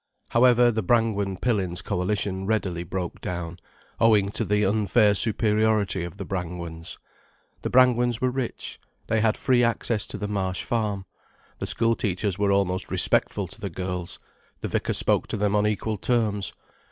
However, the Brangwen Pillins coalition readily broke down, owing to the unfair superiority of the Brangwens. The Brangwens were rich. They had free access to the Marsh Farm. The school teachers were almost respectful to the girls, the vicar spoke to them on equal terms.